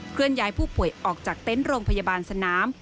เลื่อนย้ายผู้ป่วยออกจากเต็นต์โรงพยาบาลสนาม